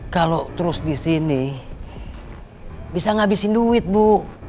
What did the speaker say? kalau terus di sini bisa ngabisin duit bu